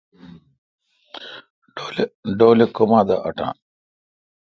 ڈولے کما دا اٹان۔